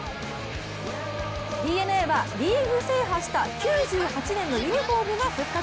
ＤｅＮＡはリーグ制覇した９８年のユニフォームが復活。